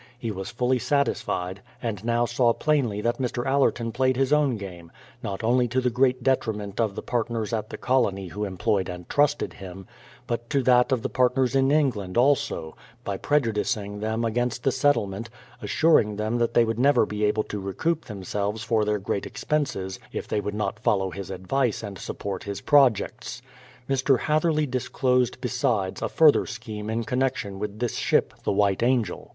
He was fully satisfied, and now saw plainly that Mr. Allerton played his own game, not only to the great detriment of the part 222 BRADFORD'S HISTORY OF ners at the colony who employed and trusted him, but to that of the partners in England also, by prejudicing them against the settlement, assuring them that they would never be able to recoup themselves for their great expenses if they would not follow his advice and support his projects. Mr. Hatherley disclosed, besides, a further scheme in con nection with this ship the White Angel.